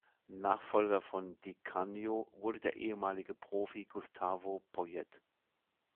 Nachfolger von Di Canio wurde der ehemalige Profi Gustavo Poyet.